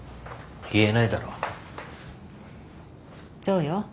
そうよ。